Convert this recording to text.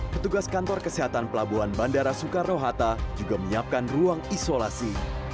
petugas kantor kesehatan pelabuhan bandara soekarno hatta juga menyiapkan ruang isolasi